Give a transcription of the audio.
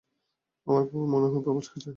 আমার পা মনে হয় মচকে গেছে।